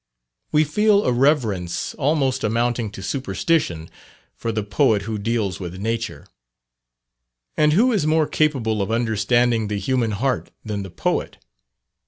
We feel a reverence almost amounting to superstition, for the poet who deals with nature. And who is more capable of understanding the human heart than the poet?